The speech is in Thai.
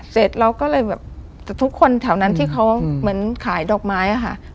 เสร็จเราก็เลยแบบทุกคนแถวนั้นที่เขาเหมือนขายดอกไม้อะค่ะ